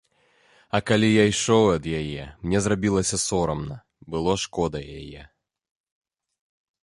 А калі я ішоў ад яе, мне зрабілася сорамна, было шкода яе.